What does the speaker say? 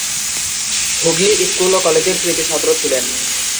Hooghly school ও কলেজের কৃতী ছাত্র ছিলেন।